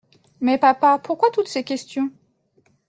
Mais, papa, pourquoi toutes ces questions ?